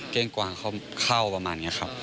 เก้งกวางเข้ามาเนี่ยครับ